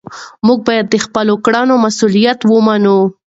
موږ باید د خپلو کړنو مسؤلیت ومنو.